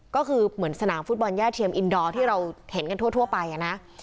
ก็คือเหมือนสนามฟุตบอลย่าเทียมอินดอร์ที่เราเห็นกันทั่วไปนะ